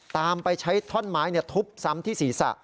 ตามไปใช้ท่อนไม้ทุบซ้ำที่ศีรษะ